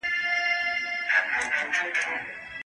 د نړيوالو اړيکو اصول مراعات کړئ.